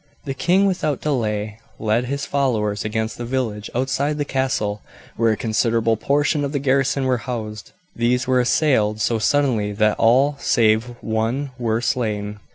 The king without delay led his followers against the village outside the castle, where a considerable portion of the garrison were housed. These were assailed so suddenly that all save one were slain.